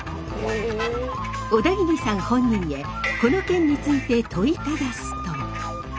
小田切さん本人へこの件について問いただすと。